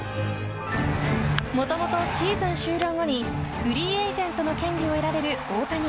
もともとシーズン終了後にフリーエージェントの権利を得られる大谷。